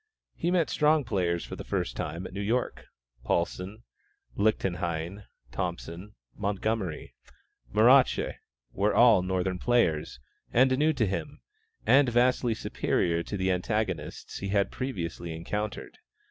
He met strong players for the first time at New York. Paulsen, Lichtenhein, Thompson, Montgomery, Marache were all northern players, and new to him, and vastly superior to the antagonists he had previously encountered.